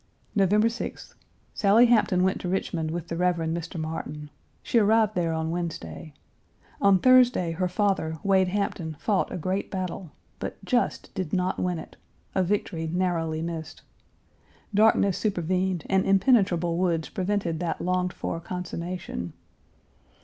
November 6th. Sally Hampton went to Richmond with the Rev. Mr. Martin. She arrived there on Wednesday. On Thursday her father, Wade Hampton, fought a great battle, but just did not win it a victory narrowly missed. Darkness supervened and impenetrable woods prevented that longed for consummation.